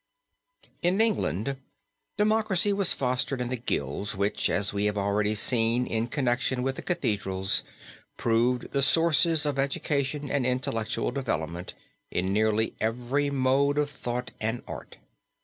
In England democracy was fostered in the guilds, which, as we have already seen in connection with the cathedrals, proved the sources of education and intellectual development in nearly every mode of thought and art.